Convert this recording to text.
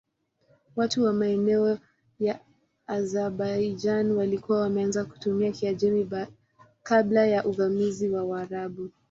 Watu wa maeneo ya Azerbaijan walikuwa wameanza kutumia Kiajemi kabla ya uvamizi wa Waarabu.